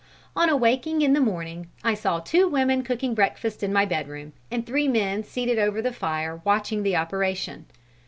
"On awaking in the morning, I saw two women cooking breakfast in my bedroom, and three men seated over the fire watching the operation.